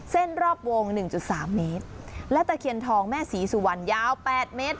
เส้นรอบวง๑๓เมตรและตะเขียนทองแม่ศรีสุวรรณยาว๘เมตร